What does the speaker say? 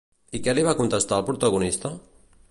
I què li va contestar el protagonista?